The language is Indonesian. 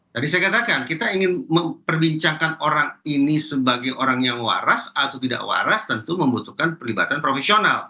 jadi saya katakan kita ingin memperbincangkan orang ini sebagai orang yang waras atau tidak waras tentu membutuhkan perlibatan profesional